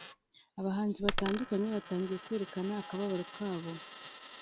abahanzi batandukanye batangiye kwerekana akababaro kabo